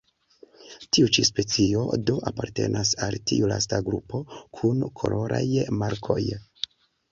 Tiu ĉi specio, do, apartenas al tiu lasta grupo kun koloraj markoj.